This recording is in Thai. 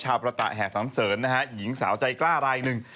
ชาวพระตะแห่สันเสิร์ฟนะฮะหญิงสาวใจกล้าอะไรหนึ่ง